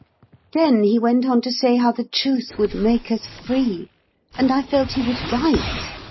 Then he went on to say how the Truth would make us Free, and I felt he was right.